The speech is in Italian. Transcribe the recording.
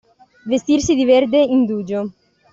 Vestirsi di verde indugio.